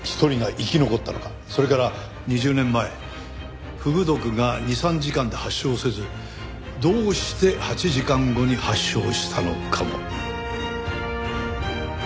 それから２０年前フグ毒が２３時間で発症せずどうして８時間後に発症したのかも。